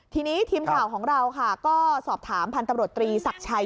ทีนี้ทีมข่าวของเราค่ะก็สอบถามพันธุ์ตำรวจตรีศักดิ์ชัย